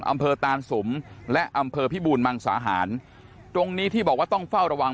ตานสุมและอำเภอพิบูรมังสาหารตรงนี้ที่บอกว่าต้องเฝ้าระวัง